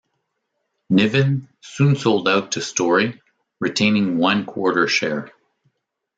Niven soon sold out to Storey, retaining one quarter share.